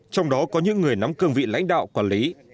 trong đó có những người nắm cương vị lãnh đạo quản lý